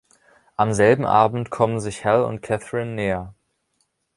Am selben Abend kommen sich Hal und Catherine näher.